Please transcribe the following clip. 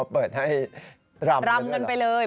เปิดให้รำกันไปเลย